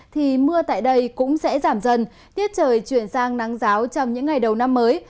thì mưa tại đây cũng sẽ giảm dần tiết trời chuyển sang nắng giáo trong những ngày đầu năm mới